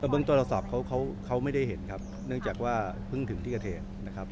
เบื้องต้นเราสอบเขาเขาไม่ได้เห็นครับเนื่องจากว่าเพิ่งถึงที่เกิดเหตุนะครับ